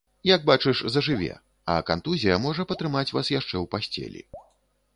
Як бачыш зажыве, а кантузія можа патрымаць вас яшчэ ў пасцелі.